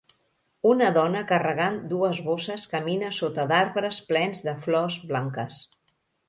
Una dona carregant dues bosses camina sota d'arbres plens de flors blanques.